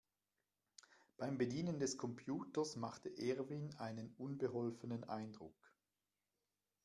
Beim Bedienen des Computers machte Erwin einen unbeholfenen Eindruck.